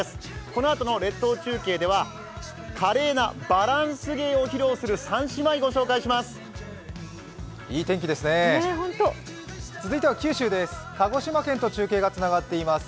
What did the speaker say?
このあとの列島中継では華麗なバランス芸を披露する三姉妹、御紹介します。